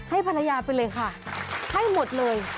ให้ภรรยาไปเลยค่ะให้หมดเลย